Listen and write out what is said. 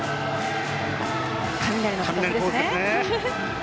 雷ポーズですね。